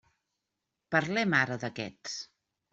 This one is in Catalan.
Parlem ara d'aquests.